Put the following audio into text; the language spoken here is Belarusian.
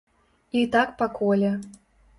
І так па коле.